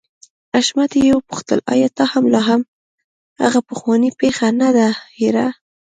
حشمتي وپوښتل آيا تا لا هم هغه پخوانۍ پيښه نه ده هېره.